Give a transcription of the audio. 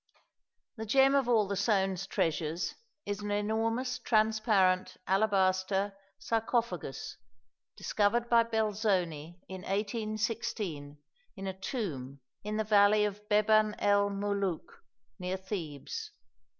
The gem of all the Soane treasures is an enormous transparent alabaster sarcophagus, discovered by Belzoni in 1816 in a tomb in the valley of Beban el Molook, near Thebes.